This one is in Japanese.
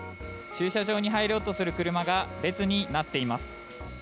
駐車場に入ろうとする車が列になっています。